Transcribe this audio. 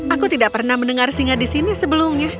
aku tidak pernah mendengar singa di sini sebelumnya